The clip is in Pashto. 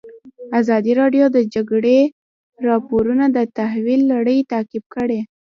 ازادي راډیو د د جګړې راپورونه د تحول لړۍ تعقیب کړې.